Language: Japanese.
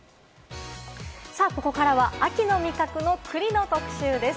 ここからは秋の味覚・栗の特集です。